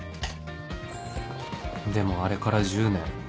でもあれから１０年